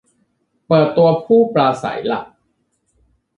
เปิดตัวผู้ปราศรัยหลัก !